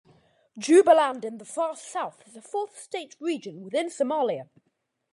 Jubaland in the far south is a fourth state region within Somalia.